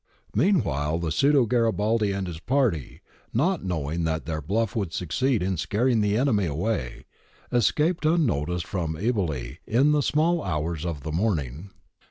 ^ Meanwhile, the pseudo Garibaldi and his party, not knowing that their bluff would succeed in scaring the enemy away, escaped unnoticed from Eboli in the small hours of the morning.